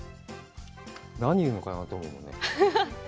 何言うかなと思うよね。